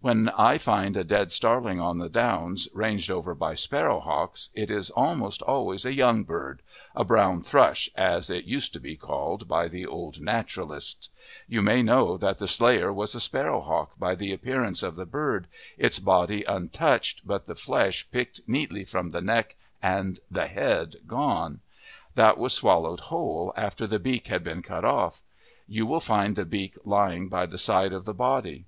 When I find a dead starling on the downs ranged over by sparrowhawks, it is almost always a young bird a "brown thrush" as it used to be called by the old naturalists. You may know that the slayer was a sparrowhawk by the appearance of the bird, its body untouched, but the flesh picked neatly from the neck and the head gone. That was swallowed whole, after the beak had been cut off. You will find the beak lying by the side of the body.